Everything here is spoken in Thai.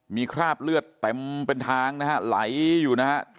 มีคราบเลือดเต็มเป็นทางนะฮะไหลอยู่นะฮะ